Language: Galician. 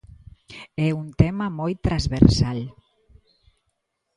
É un tema moi transversal.